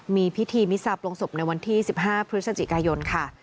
มีพิธีมิซาปลงศพในวันที่๑๕พฤศจิกายนค่ะ